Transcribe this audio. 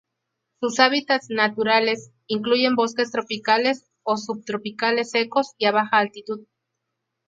Sus hábitats naturales incluyen bosques tropicales o subtropicales secos y a baja altitud.